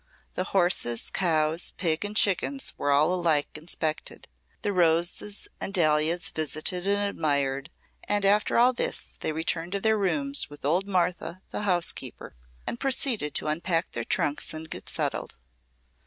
The horses, cows, pig and chickens were alike inspected, the roses and dahlias visited and admired, and after all this they returned to their rooms with old Martha, the housekeeper, and proceeded to unpack their trunks and get settled.